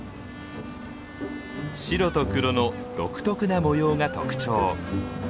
白と黒の独特な模様が特徴。